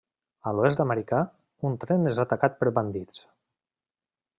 A l'Oest americà, un tren és atacat per bandits.